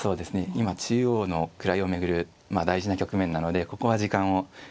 今中央の位を巡る大事な局面なのでここは時間を使いたいところですね。